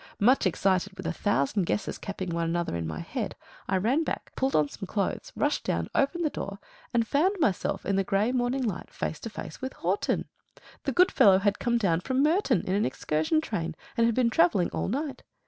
Much excited, with a thousand guesses capping one another in my head, I ran back, pulled on some clothes, rushed down, opened the door, and found myself in the grey morning light face to face with Horton. The good fellow had come down from Merton in an excursion train, and had been travelling all night.